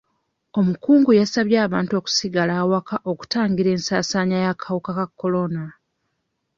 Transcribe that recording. Omukungu yasabye abantu okusigala awaka okutangira ensaasaanya y'akawuka ka kolona.